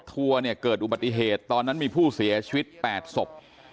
ทัวร์เนี่ยเกิดอุบัติเหตุตอนนั้นมีผู้เสียชีวิต๘ศพ